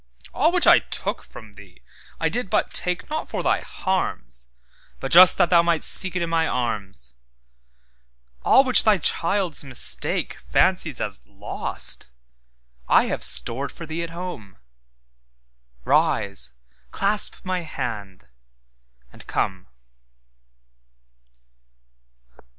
All which I took from thee I did but take, Not for thy harms, But just that thou might'st seek it in My arms. All which thy child's mistakeFancies as lost, I have stored for thee at home:Rise, clasp My hand, and come!